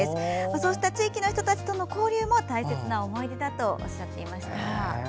そうした地域の人たちとの交流も大切な思い出だとおっしゃっていました。